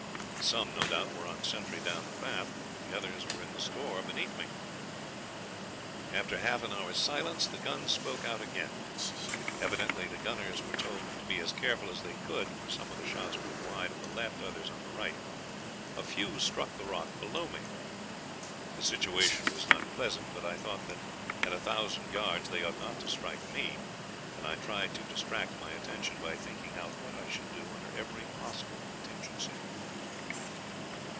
Some, no doubt, were on sentry down the path, the others were in the store beneath me. After half an hour's silence the guns spoke out again. Evidently the gunners were told to be as careful as they could, for some of the shots went wide on the left, others on the right. A few struck the rock below me. The situation was not pleasant, but I thought that at a thousand yards they ought not to hit me, and I tried to distract my attention by thinking out what I should do under every possible contingency.